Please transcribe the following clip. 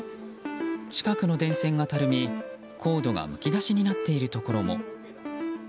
近くの電線がたるみ、コードがむき出しになっているところも。